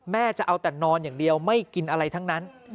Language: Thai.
จะเอาแต่นอนอย่างเดียวไม่กินอะไรทั้งนั้น